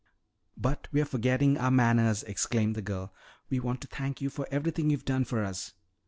"But we're forgetting our manners!" exclaimed the girl. "We want to thank you for everything you've done for us.